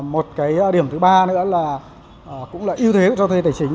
một cái điểm thứ ba nữa là cũng là ưu thế cho thuê tài chính